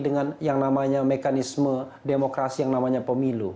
dengan yang namanya mekanisme demokrasi yang namanya pemilu